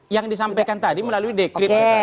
yang disampaikan tadi melalui dekret